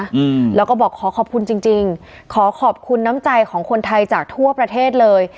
อืมแล้วก็บอกขอขอบคุณจริงจริงขอขอบคุณน้ำใจของคนไทยจากทั่วประเทศเลย